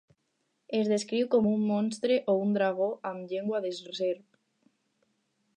Es descriu com un monstre o un dragó amb llengua de serp.